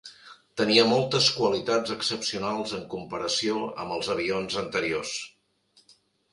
Tenia moltes qualitats excepcionals en comparació amb els avions anteriors.